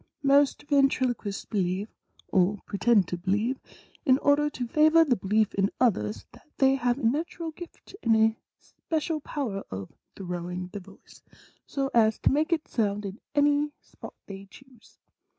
"Most ventriloquists believe, or pretend to believe, in order to favor the belief in others, that they have a natural gift and a special power of throwing the voice, so as to make it sound in any spot they choose.